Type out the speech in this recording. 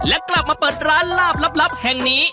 และกลับมาเปิดร้านลาบลับแห่งนี้